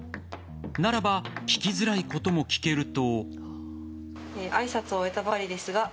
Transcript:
ならば聞きづらいことも聞けると。